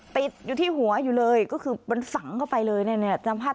ติดอยู่ที่หัวอยู่เลยก็คือมันฝังเข้าไปเลยเนี่ยจำภาพ